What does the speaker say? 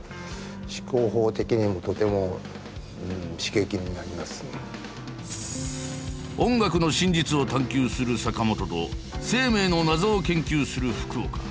大変音楽の真実を探究する坂本と生命の謎を研究する福岡。